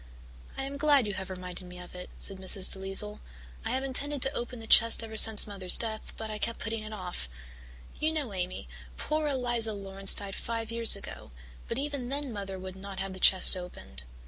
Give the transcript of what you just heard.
"I am glad you have reminded me of it," said Mrs. DeLisle. "I have intended to open the chest ever since Mother's death but I kept putting it off. You know, Amy, poor Eliza Laurance died five years ago, but even then Mother would not have the chest opened.